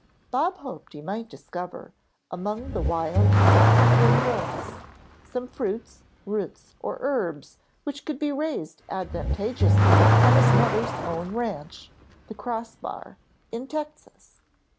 Bob hoped he might discover, among the wild tropical growths, some fruits, roots or herbs which could be raised advantageously on his mother's own ranch, the Cross Bar in Texas.